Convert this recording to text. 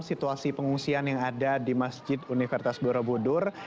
situasi pengungsian yang ada di masjid universitas borobudur